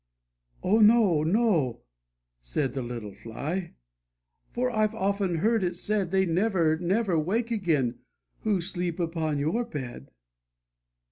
' "Oh, no, no," said the little Fly, "for I've often heard it said, They never, never wake again, who sleep upon your bed!'